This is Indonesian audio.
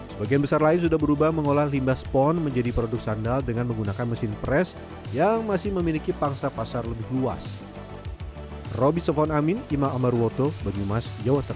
sebagian besar lain sudah berubah mengolah limbah spon menjadi produk sandal dengan menggunakan mesin press yang masih memiliki pangsa pasar lebih luas